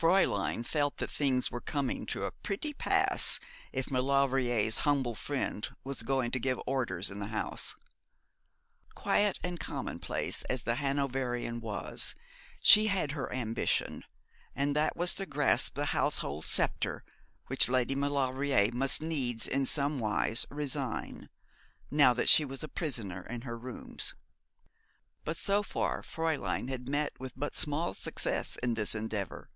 Fräulein felt that things were coming to a pretty pass, if Maulevrier's humble friend was going to give orders in the house. Quiet and commonplace as the Hanoverian was, she had her ambition, and that was to grasp the household sceptre which Lady Maulevrier must needs in some wise resign, now that she was a prisoner to her rooms. But so far Fräulein had met with but small success in this endeavour.